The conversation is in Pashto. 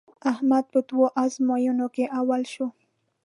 احمد په دوو ازموینو کې اول شو.